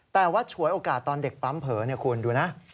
แต่ว่าฉวยโอกาสตอนเด็กปั๊มเผลอคุณดูนะ